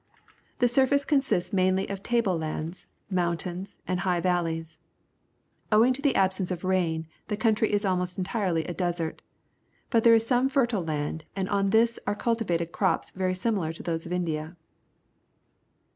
The surface consists mainly of table lands, mountains, and high valleys. Owing to the absence of rain the country is almost entirely a desert, but there is some fertile land, and on this are cultivated crops verj' similar to those of India.